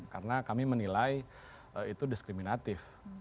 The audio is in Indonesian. karena kami menilai itu diskriminatif